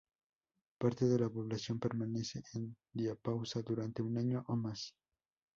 Parte de la población permanece en diapausa durante un año o más.